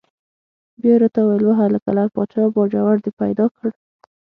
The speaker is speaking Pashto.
بیا یې را ته وویل: وهلکه لعل پاچا باجوړ دې پیدا کړ؟!